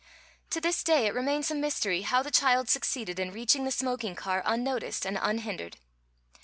To this day it remains a mystery how the child succeeded in reaching the smoking car unnoticed and unhindered.